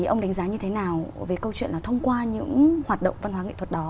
ông đánh giá như thế nào về câu chuyện là thông qua những hoạt động văn hóa nghệ thuật đó